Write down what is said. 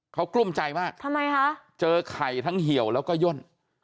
เขากลุ้มใจมากทำไมคะเจอไข่ทั้งเหี่ยวแล้วก็ย่น